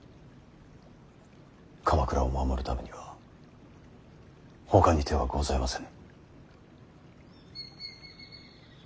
鎌倉を守るためにはほかに手はございませぬ。